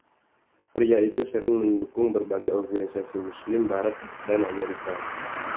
Pria itu sering mendukung berbagai organisasi Muslim Barat dan Amerika.